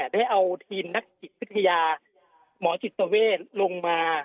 ได้เอาทีลนักกิจศึกะยะหมอนจิตเวลลงมา